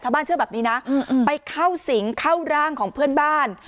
เชื่อแบบนี้นะไปเข้าสิงเข้าร่างของเพื่อนบ้าน